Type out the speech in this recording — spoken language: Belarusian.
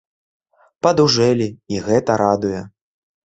Падужэлі, і гэта радуе.